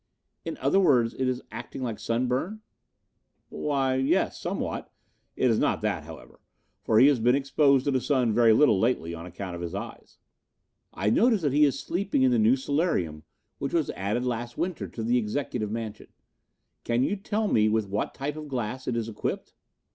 "In other words, it is acting like sunburn?" "Why, yes, somewhat. It is not that, however, for he has been exposed to the sun very little lately, on account of his eyes." "I notice that he is sleeping in the new solarium which was added last winter to the executive mansion. Can you tell me with what type of glass it is equipped?"